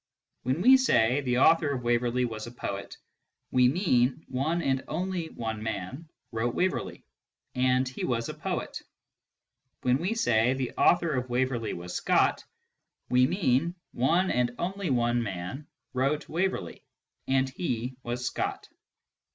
When we say " the author of Waverley was a poet," we mean " one and only one man wrote Waverley, and he was a poet "; when we say " the author of Waverley was Scott " we mean " one and only one man wrote Waverley, and he was Scott."